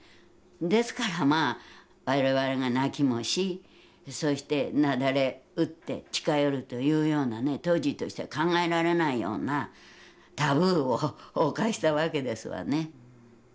ですからまあ我々が泣きもしそして雪崩打って近寄るというようなね当時としては考えられないようなタブーを犯したわけですわね。